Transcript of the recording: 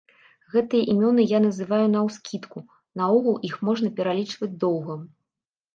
Гэтыя імёны я называю наўскідку, наогул іх можна пералічваць доўга.